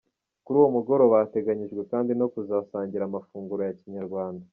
Kuri uwo mugoroba hateganijwe kandi no kuzasangira amafunguro ya kinyarwanda.